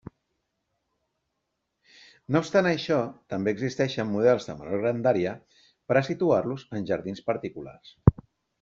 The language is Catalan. No obstant això, també existeixen models de menor grandària per a situar-los en jardins particulars.